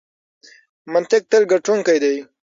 منطق تل ګټونکی دی.